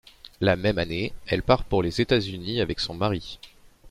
La même année, elle part pour les États-Unis avec son mari.